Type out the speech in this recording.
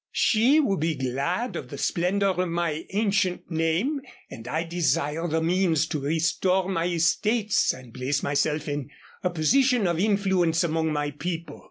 She will be glad of the splendor of my ancient name, and I desire the means to restore my estates and place myself in a position of influence among my people.